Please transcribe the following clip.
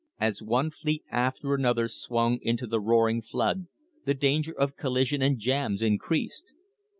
As one fleet after another swung into the roar ing flood the danger of collision and jams increased.